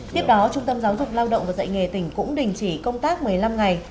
tiếp đó trung tâm giáo dục lao động và dạy nghề tỉnh cũng đình chỉ công tác một mươi năm ngày